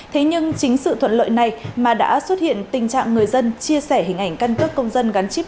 thế nhưng chính sự thuận lợi này mà đã xuất hiện tình trạng người dân chia sẻ hình ảnh căn cước công dân gắn chip